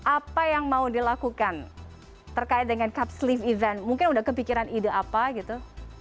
apa yang mau dilakukan terkait dengan capsleve event mungkin udah kepikiran ide apa gitu